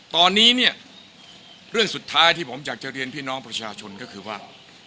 ตอนนี้เนี่ยเรื่องสุดท้ายที่ผมอยากจะเรียนพี่น้องประชาชนก็คือว่า